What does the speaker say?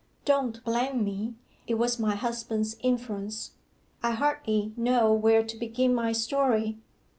Don't blame me it was my husband's influence. I hardly know where to begin my story.